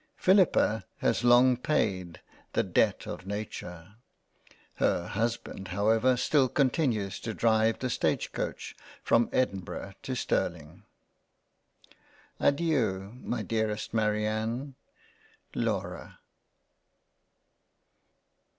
Philippa has long paid the Debt of Nature, Her Husband however still continues to drive the Stage Coach from Edinburgh to Sterling :— Adeiu my Dearest Marianne. Laura.